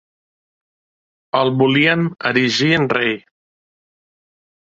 El volien erigir en rei.